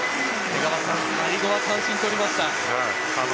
最後は三振取りました。